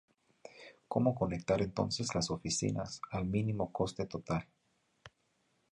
Cómo conectar entonces las oficinas al mínimo coste total.